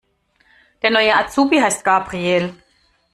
Der neue Azubi heißt Gabriel.